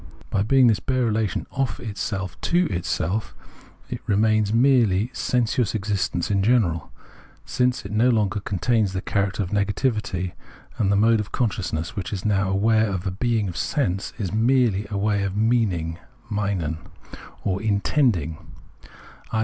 By being this bare relation of self to self, it remains merely sensuous existence in general, smce it no longer contains the character of negativity ; and the mode of consciousness, which is now aware of a bemg of sense, is merely a way of " meaning " (Meinen) or " intending," i.